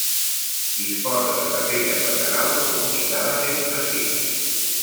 Disposa de capelles laterals comunicades entre si.